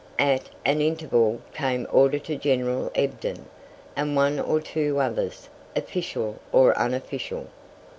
At an interval came Auditor General Ebden, and one or two others, official or unofficial.